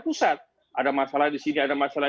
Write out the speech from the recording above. pusat ada masalah di sini ada masalah